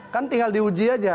kan tinggal diuji aja